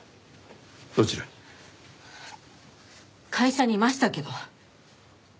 会社にいましたけど。